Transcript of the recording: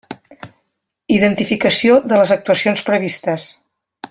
Identificació de les actuacions previstes.